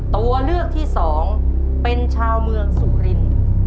ตัวเลือกที่๒เป็นชาวเมืองสุริน